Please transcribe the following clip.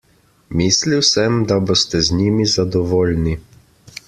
Mislil sem, da boste z njimi zadovoljni.